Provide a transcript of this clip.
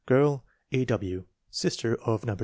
Girl:E.W. Sister of No.